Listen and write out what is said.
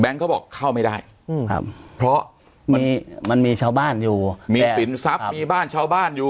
เขาบอกเข้าไม่ได้เพราะมันมันมีชาวบ้านอยู่มีสินทรัพย์มีบ้านชาวบ้านอยู่